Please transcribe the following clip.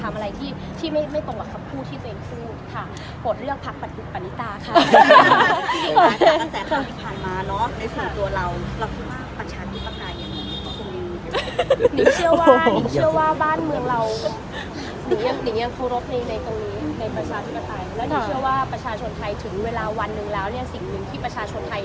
แต่ถ้าไม่มีเบาะเนี่ยไอ้ตรงเนี่ยมันคงกระแทกคงเป็นเรื่องใหญ่